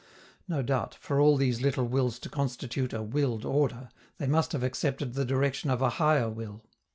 No doubt, for all these little wills to constitute a "willed order," they must have accepted the direction of a higher will.